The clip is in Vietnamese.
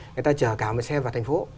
người ta chở cả một xe vào thành phố